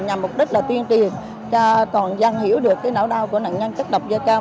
nhằm mục đích là tuyên truyền cho toàn dân hiểu được não của nạn nhân chất độc da cam